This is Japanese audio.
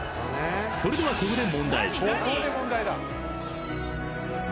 ［それではここで］